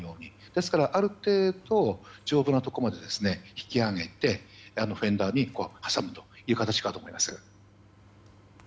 ですから、ある程度丈夫なところまで引き揚げてフェンダーに挟むという形かと思います。